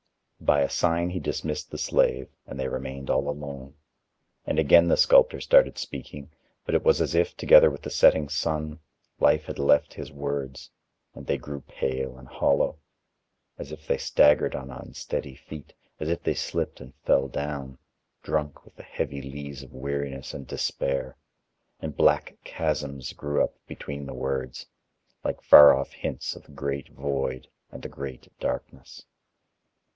By a sign he dismissed the slave, and they remained all alone. And again the sculptor started speaking, but it was as if, together with the setting sun, life had left his words; and they grew pale and hollow, as if they staggered on unsteady feet, as if they slipped and fell down, drunk with the heavy lees of weariness and despair. And black chasms grew up between the words like far off hints of the great void and the great darkness.